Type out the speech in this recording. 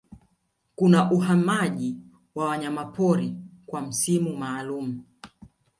Kuna Uhamaji wa Wanyamapori kwa msimu maalumu